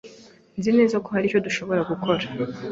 Nzi neza ko hari icyo dushobora gukora.